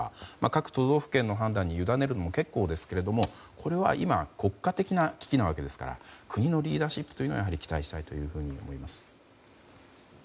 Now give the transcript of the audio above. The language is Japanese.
各都道府県の判断に委ねるのも結構ですがこれは今国家的な危機なわけですからやはり国のリーダーシップに期待したいと思います。